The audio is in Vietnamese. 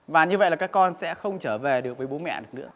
và như vậy là các con sẽ không trở về được với bố mẹ được nữa